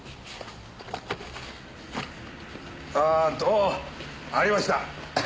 あーっとありました。